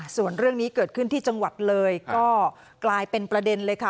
ส่วนเรื่องนี้เกิดขึ้นที่จังหวัดเลยก็กลายเป็นประเด็นเลยค่ะ